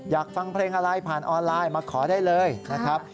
อยากฟังเพลงอะไรผ่านออนไลน์มาขอได้เลยนะครับ